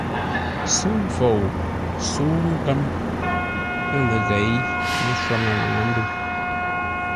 Sə́u Fou, sə́u Nkə̌m ləghěi mə́shwáŋə laŋə́-ndə̂u.